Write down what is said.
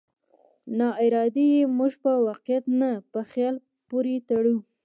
ناارادي يې موږ په واقعيت نه، په خيال پورې تړو.